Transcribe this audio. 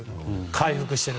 回復してる。